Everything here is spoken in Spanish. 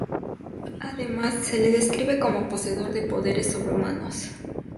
Además se le describe como poseedor de poderes sobrehumanos.